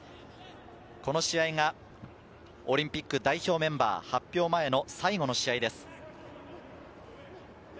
この試合がオリンピック代表メンバー発表前の最後の試合です。